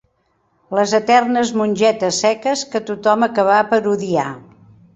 Les eternes mongetes seques que tothom acabà per odiar